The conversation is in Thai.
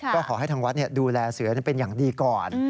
ก็ขอให้ทางวัดดูแลเสือเป็นอย่างดีก่อน